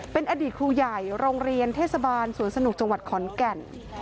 เป็นอดีตครูใหญ่โรงเรียนเทศบาลสวนสนุกจังหวัดขอนแก่น